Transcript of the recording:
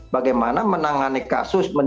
bagaimana menangani kasus